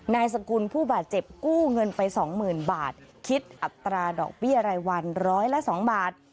นายสกุลผู้บาดเจ็บกู้เงินไปสองหมื่นบาทคิดอัตราดอกเบี้ยรายวันร้อยละ๒บาท